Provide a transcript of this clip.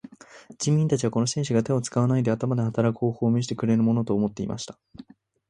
人民たちはこの紳士が手を使わないで頭で働く方法を見せてくれるものと思っていました。